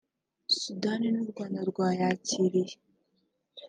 Sudani n’u Rwanda rwayakiriye